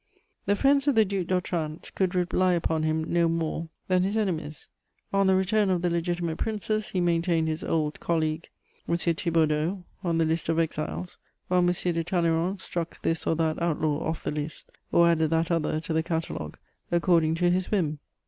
The friends of the Duc d'Otrante could rely upon him no more than his enemies: on the return of the legitimate Princes, he maintained his old colleague, M. Thibaudeau, on the list of exiles, while M. de Talleyrand struck this or that outlaw off the list, or added that other to the catalogue, according to his whim.